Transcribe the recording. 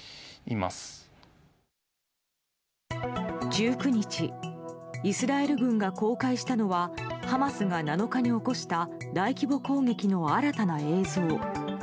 １９日イスラエル軍が公開したのはハマスが７日に起こした大規模攻撃の新たな映像。